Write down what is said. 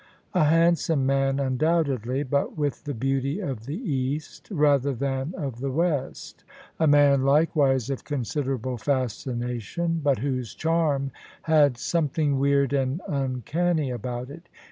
A handsome man, undoubtedly; but with the beauty of the East rather than of the West : a man like wise of considerable fascination : but whose charm had some thing weird and uncanny about it.